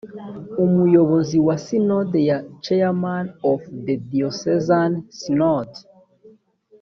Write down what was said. umuyobozi wa sinode ya chairman of the diocesan synod